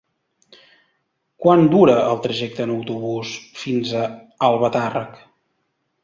Quant dura el trajecte en autobús fins a Albatàrrec?